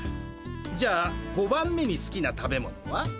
じゃあ５番目にすきな食べ物は？